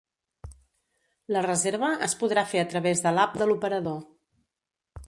La reserva es podrà fer a través de l'App de l'operador.